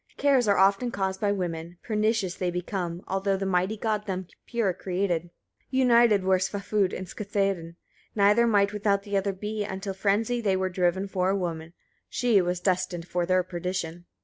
Cares are often caused by women; pernicious they become, although the mighty God them pure created. 11. United were Svafud and Skarthedin, neither might without the other be, until to frenzy they were driven for a woman: she was destined for their perdition.